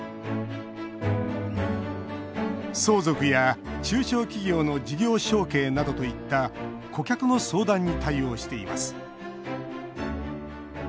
相続や、中小企業の事業承継などといった顧客の相談に対応しています。